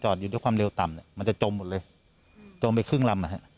อยู่ด้วยความเร็วต่ำเนี่ยมันจะจมหมดเลยจมไปครึ่งลำนะฮะ